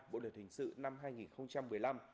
bộ luật hình sự năm hai nghìn một mươi năm